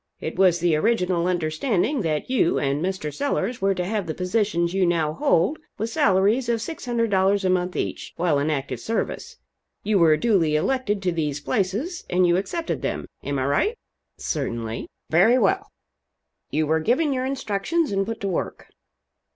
It was the original understanding that you and Mr. Sellers were to have the positions you now hold, with salaries of $600 a month each, while in active service. You were duly elected to these places, and you accepted them. Am I right?" "Certainly." "Very well. You were given your instructions and put to work.